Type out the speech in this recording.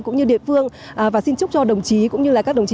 cũng như địa phương và xin chúc cho đồng chí cũng như là các đồng chí